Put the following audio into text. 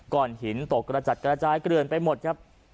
หินตกกระจัดกระจายเกลื่อนไปหมดครับ